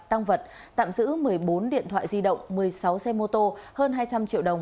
tăng vật tạm giữ một mươi bốn điện thoại di động một mươi sáu xe mô tô hơn hai trăm linh triệu đồng